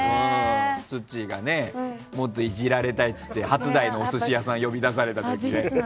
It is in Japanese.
ツッチーがもっとイジられたいって言って初台のお寿司屋さんに呼び出されたりとか。